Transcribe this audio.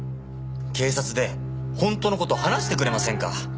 警察で本当の事話してくれませんか？